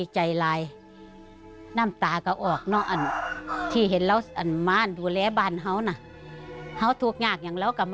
ความสะสมความสะสมให้ทุกครอบครัวไว้ก่อน